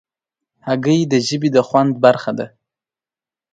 هګۍ د ژبې د خوند برخه ده.